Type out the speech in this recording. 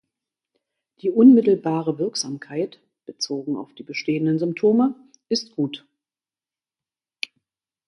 Die unmittelbare Wirksamkeit bezogen auf die bestehenden Symptome ist gut.